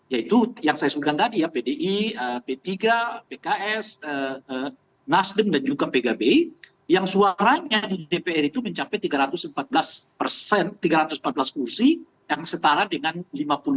yaitu yang saya sebutkan tadi ya pdi p tiga pks nasdem dan juga pgb yang suaranya di dpr itu mencapai tiga ratus empat belas persen tiga ratus empat belas kursi yang setara dengan lima puluh enam lima puluh tujuh persen dari total anggota dpr